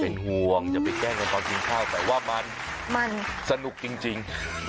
เป็นห่วงอย่าไปแกล้งกันตอนกินข้าวแต่ว่ามันสนุกจริง